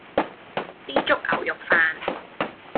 枝竹牛肉飯